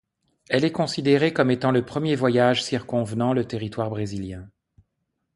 Elle est considérée comme étant le premier voyage circonvenant le territoire brésilien.